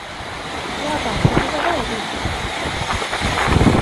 不要搞奇奇怪怪的建筑。